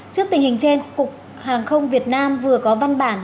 trước tình hình trên cục hàng không việt nam vừa có văn bản